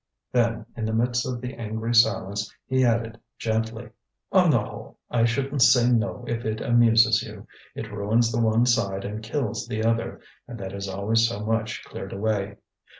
Then, in the midst of the angry silence, he added gently: "On the whole, I shouldn't say no if it amuses you; it ruins the one side and kills the other, and that is always so much cleared away.